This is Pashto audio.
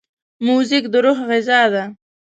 موزیک د روح غذا ده.